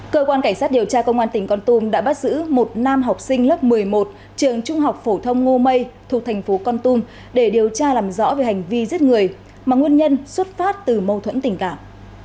cơ quan cảnh sát điều tra công an tỉnh con tum đã bắt giữ một nam học sinh lớp một mươi một trường trung học phổ thông ngô mây thuộc thành phố con tum để điều tra làm rõ về hành vi giết người mà nguyên nhân xuất phát từ mâu thuẫn tình cảm